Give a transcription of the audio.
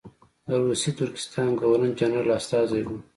د روسي ترکستان ګورنر جنرال استازی وو.